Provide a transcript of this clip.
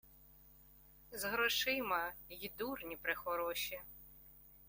З грошима й дурні прехороші!